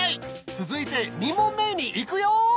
続いて２問目に行くよ！